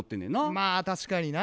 まあ確かにな。